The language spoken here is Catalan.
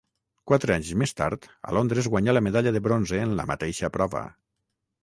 Quatre anys més tard, a Londres guanyà la medalla de bronze en la mateixa prova.